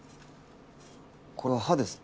これは歯ですね。